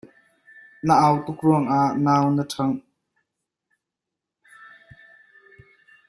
Na au tuk ruangah nau na ṭhangh.